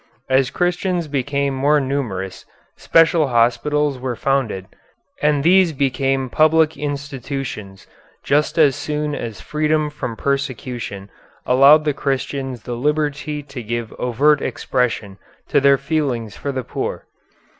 As Christians became more numerous, special hospitals were founded, and these became public institutions just as soon as freedom from persecution allowed the Christians the liberty to give overt expression to their feelings for the poor.